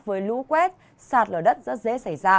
với lũ quét sạt lở đất rất dễ xảy ra